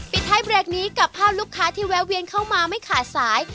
ปิดท้ายเบรกนี้กับภาพลูกค้าที่แวะเวียนเข้ามาไม่ขาดสาย